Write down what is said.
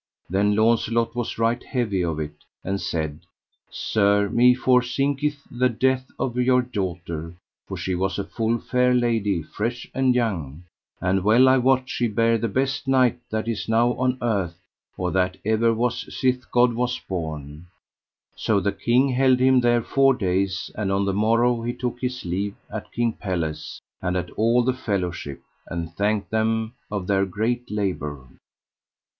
Then Launcelot was right heavy of it, and said: Sir, me forthinketh the death of your daughter, for she was a full fair lady, fresh and young. And well I wot she bare the best knight that is now on the earth, or that ever was sith God was born. So the king held him there four days, and on the morrow he took his leave at King Pelles and at all the fellowship, and thanked them of their great labour.